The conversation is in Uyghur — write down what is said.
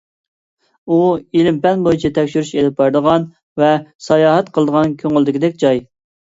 ئۇ، ئىلىم-پەن بويىچە تەكشۈرۈش ئېلىپ بارىدىغان ۋە ساياھەت قىلىدىغان كۆڭۈلدىكىدەك جاي.